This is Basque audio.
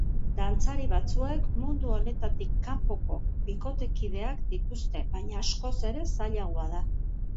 Dantzari batzuek mundu honetatik kanpoko bikotekideak dituzte, baina askoz ere zailagoa da.